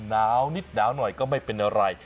หนาวนิดหนาวหน่อยก็ไม่เป็นอะไร